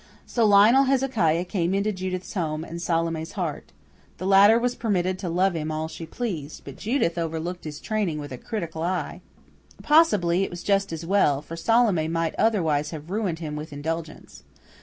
So Lionel Hezekiah came into Judith's home and Salome's heart. The latter was permitted to love him all she pleased, but Judith overlooked his training with a critical eye. Possibly it was just as well, for Salome might otherwise have ruined him with indulgence.